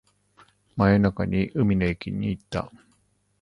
真夜中に海の駅に行った